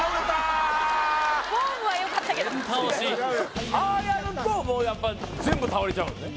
全倒しああやるともうやっぱ全部倒れちゃうんですね